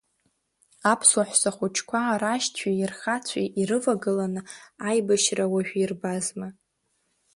Аԥсуа ҳәсахәыҷқәа рашьцәеи рхацәеи ирывагыланы аибашьра уажәы ирбазма.